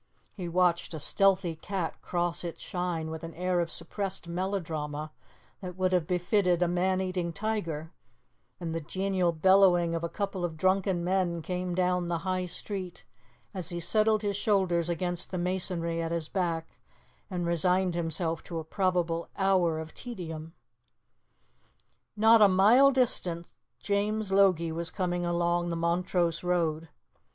He watched a stealthy cat cross its shine with an air of suppressed melodrama that would have befitted a man eating tiger, and the genial bellowing of a couple of drunken men came down the High Street as he settled his shoulders against the masonry at his back and resigned himself to a probable hour of tedium. Not a mile distant, James Logie was coming along the Montrose road.